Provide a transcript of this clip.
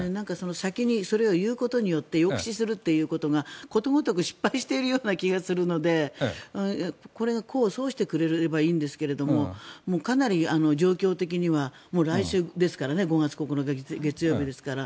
先にそれを言うことによって抑止するということがことごとく失敗しているような気がするのでこれが功を奏してくれればいいんですけどかなり状況的には来週ですからね５月９日、月曜日ですから。